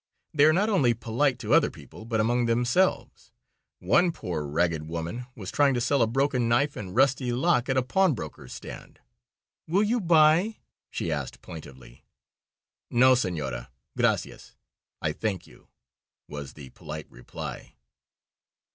They are not only polite to other people, but among themselves. One poor, ragged woman was trying to sell a broken knife and rusty lock at a pawnbroker's stand. "Will you buy?" she asked, plaintively. "No, senora, gracias" (I thank you), was the polite reply.